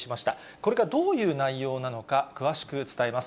これがどういう内容なのか、詳しく伝えます。